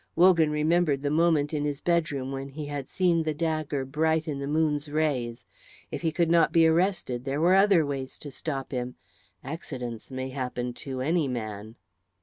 Wogan remembered the moment in his bedroom when he had seen the dagger bright in the moon's rays. If he could not be arrested, there were other ways to stop him. Accidents may happen to any man.